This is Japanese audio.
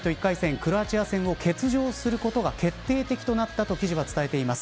クロアチア戦を欠場することが決定的となったと記事は伝えています。